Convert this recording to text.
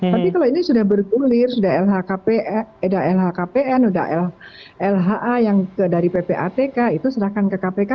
tapi kalau ini sudah bergulir sudah lhkpn sudah lha yang dari ppatk itu serahkan ke kpk